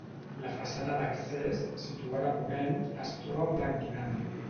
La façana d'accés, situada a ponent, es troba emblanquinada.